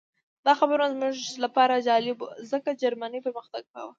دا خبرونه زموږ لپاره جالب وو ځکه جرمني پرمختګ کاوه